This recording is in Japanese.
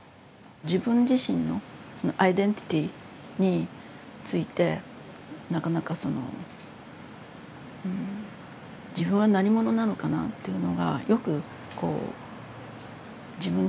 自分自身のアイデンティティーについてなかなかそのうん自分は何者なのかなというのがよくこう自分自身でも分からない。